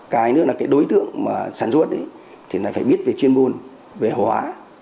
cái nữa là cái đối tượng mà sản xuất thì lại phải biết về chuyên môn về hóa